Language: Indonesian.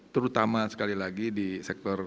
terutama sekali lagi di sektor